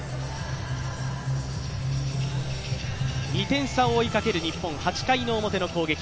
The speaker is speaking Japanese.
２点差を追いかける日本、８回表の攻撃。